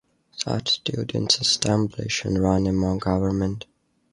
Such students establish and run a mock government.